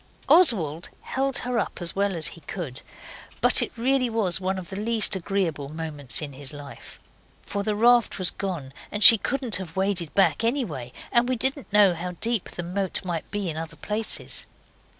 Oswald held her up as well as he could, but it really was one of the least agreeable moments in his life. For the raft was gone, and she couldn't have waded back anyway, and we didn't know how deep the moat might be in other places.